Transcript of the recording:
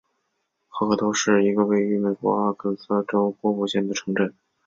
赫克托是一个位于美国阿肯色州波普县的城镇。